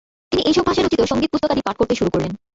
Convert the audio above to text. তিনি এইসব ভাষায় রচিত সঙ্গীত পুস্তকাদি পাঠ করতে শুরু করলেন।